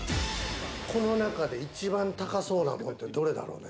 この中で一番高そうなものってどれやろうね？